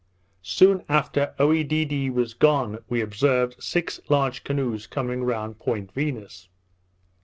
Soon after Oedidee was gone, we observed six large canoes coming round Point Venus.